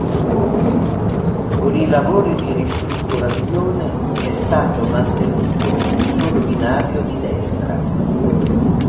Con i lavori di ristrutturazione è stato mantenuto il solo binario di destra.